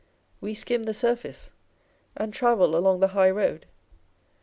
443 We skim the surface, and travel along the high road.